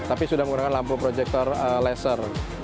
tapi sudah menggunakan lampu proyektor laser